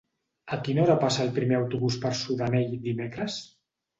A quina hora passa el primer autobús per Sudanell dimecres?